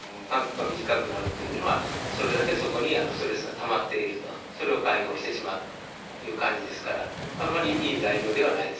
間隔が短くなるというのは、それだけそこにストレスがたまっていると、それをかいごうしてしまったという感じですから、あんまりいい材